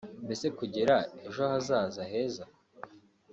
mbese kugira ejo hazaza heza